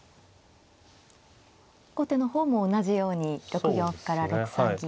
後手の方も同じように６四歩から６三銀。